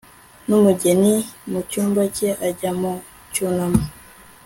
n'umugeni mu cyumba cye ajya mu cyunamo